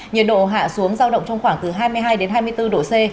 nhiệt độ hạ xuống giao động trong khoảng từ hai mươi hai đến hai mươi bốn độ c